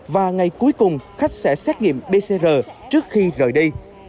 và ngày cuối cùng khách sẽ xét nghiệm pcr trước khi rời đi